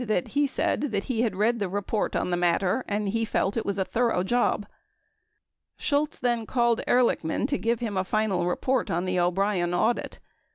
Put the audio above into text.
1029 that he said that he had read the report on the matter and he felt it was a thorough job. Shultz then called Ehrlichman to give him a final report on the O'Brien audit.